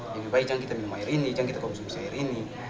lebih baik jangan kita minum air ini jangan kita konsumsi air ini